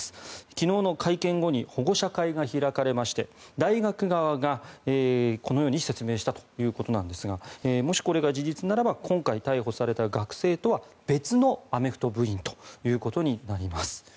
昨日の会見後に保護者会が開かれまして大学側がこのように説明したということなんですがもしこれが事実ならば今回逮捕された学生とは別のアメフト部員ということになります。